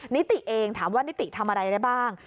นิติเองถามว่านิติทำอะไรได้บ้าง